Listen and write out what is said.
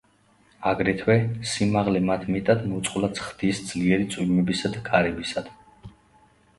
აგრეთვე, სიმაღლე მათ მეტად მოწყვლადს ხდის ძლიერი წვიმებისა და ქარებისადმი.